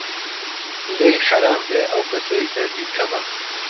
لێی حەرام بێ ئەو کەسەی دەردی کەمە